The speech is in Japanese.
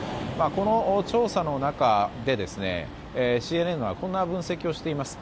この調査の中で、ＣＮＮはこんな分析をしています。